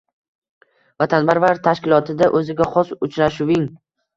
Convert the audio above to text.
“Vatanparvar” tashkilotida o‘ziga xos uchrashuvng